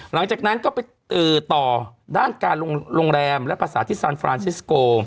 หลังจากนั้นก็ไปต่อด้านการโรงแรมและภาษาที่ซานฟรานซิสโก